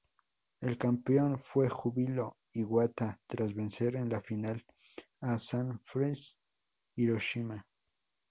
El campeón fue Júbilo Iwata, tras vencer en la final a Sanfrecce Hiroshima.